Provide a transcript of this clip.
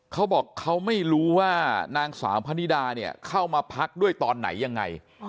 เขาบอกเขาไม่รู้ว่านางสาวพนิดาเนี่ยเข้ามาพักด้วยตอนไหนยังไง